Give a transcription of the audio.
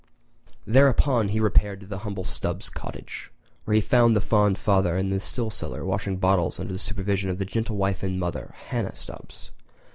Thereupon he repaired to the humble Stubbs' cottage, where he found the fond father in the still cellar washing bottles under the supervision of the gentle wife and mother, Hannah Stubbs.